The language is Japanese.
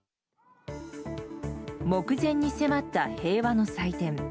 目前に迫った平和の祭典。